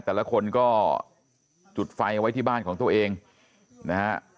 แต่ละคนก็จุดไฟเอาไว้ที่บ้านของตัวเองนะฮะ